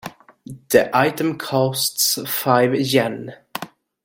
The item costs five Yen.